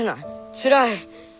つらい！